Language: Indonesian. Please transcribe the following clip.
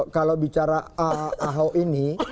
kalau bicara ahok ini